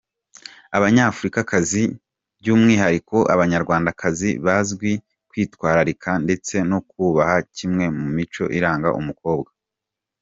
Abanyafurikakazi by’umwihariko Abanyarwandakazi bazwiho kwitwararika ndetse no kubaha kimwe mu mico iranga umukobwa.